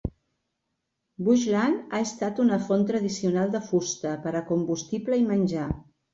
Bushland ha estat una font tradicional de fusta per a combustible i menjar.